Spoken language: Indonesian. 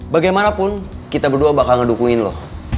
bagaimanapun kita berdua bakal ngedukuin lo